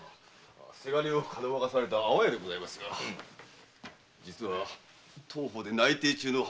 せがれをかどわかされた安房屋でございますが実は当方で内偵中の商人でした。